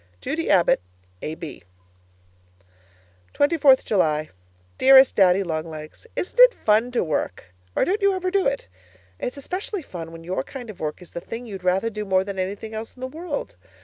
Judy Abbott, A.B. 24th July Dearest Daddy Long Legs, Isn't it fun to work or don't you ever do it? It's especially fun when your kind of work is the thing you'd rather do more than anything else in the world.